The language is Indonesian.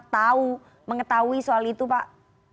tahu mengetahui soal itu pak